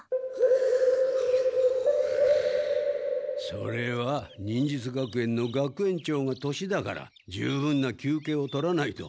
それは忍術学園の学園長が年だから十分な休けいを取らないと。